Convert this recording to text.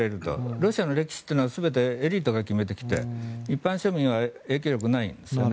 ロシアの歴史というのは全てエリートが決めてきて一般庶民は影響力がないんですね。